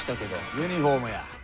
ユニフォームや。